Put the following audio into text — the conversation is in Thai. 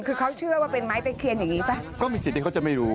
คือเขาเชื่อว่าเป็นไม้ตะเคียนอย่างนี้ป่ะก็มีสิทธิ์เขาจะไม่รู้